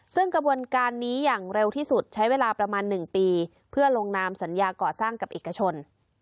ซึ่งกระบวนการนี้อย่างเร็วที่สุดใช้เวลาประมาณ๑ปีเพื่อลงนามสัญญาก่อสร้างกับเอกชน